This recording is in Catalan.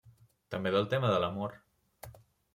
També del tema de l'amor.